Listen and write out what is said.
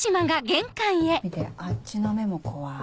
見てあっちの目も怖い。